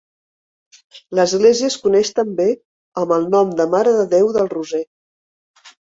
L'església es coneix també amb el nom de Mare de Déu del Roser.